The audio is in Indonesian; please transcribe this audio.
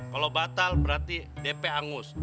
kalau batal berarti dp angus